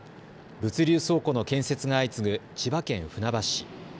物流倉庫の建設が相次ぐ千葉県船橋市。